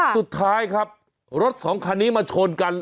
สุดท้ายครับรถสองคันนี้มาชนกัน